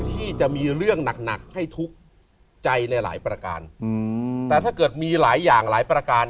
แต่ถ้าเกิดมีหลายอย่างหลายประการ